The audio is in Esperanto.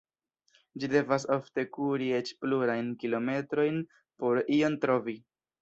Ĝi devas ofte kuri eĉ plurajn kilometrojn por ion trovi.